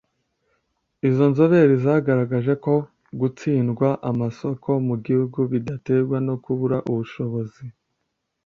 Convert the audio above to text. Izi nzobere zagaragaje ko gutsindwa amasoko mu gihugu bidaterwa no kubura ubushobozi